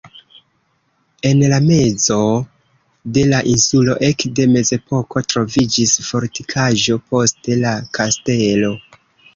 En la mezo de la insulo ekde mezepoko troviĝis fortikaĵo, poste la kastelo.